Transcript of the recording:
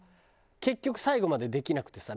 結局最後までできなくてさ